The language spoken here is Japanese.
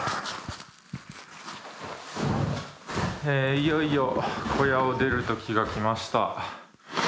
いよいよ小屋を出るときが来ました。